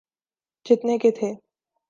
جتنے کے تھے۔